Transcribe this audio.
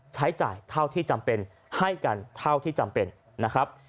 ใช้จ่ายเท่าที่จำเป็นให้กันเท่าที่จำเป็นนะครับ